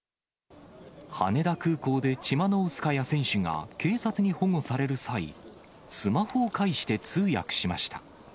羽田空港でチマノウスカヤ選手が警察に保護される際、スマホを介して通訳しました。